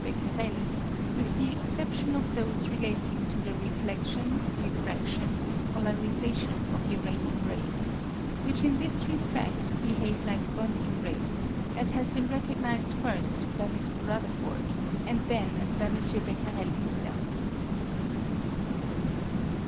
Becquerel, with the exception of those relating to the re fledlion, refradtion, and polarisation of uranium rays, which in this respedt behave like Rontgen rays, as has been re cognised first by Mr. Rutherford and then by M. Becquerel himself.